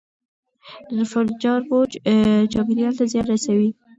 د انفجار موج چاپیریال ته زیان رسوي.